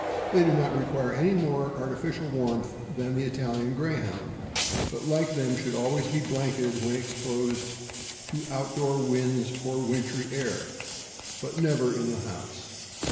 They do not require any more artificial warmth than the Ital ian Greyhound, but, like them, should always be blanketed when exposed to outdoor winds or wintry air, but never in the house.